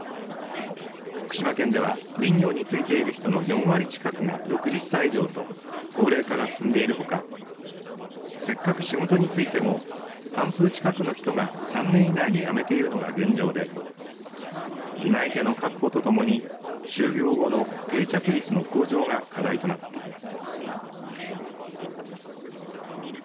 福島県では林業に就いている人の４割近くが６０歳以上と高齢化が進んでいるほかせっかく仕事についても半数近くの人が３年以内に辞めているのが現状で担い手の確保とともに就業後の定着率の向上が課題となっています。